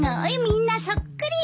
みんなそっくり。